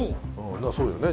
そうよね